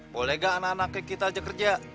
boleh gak anak anaknya kita aja kerja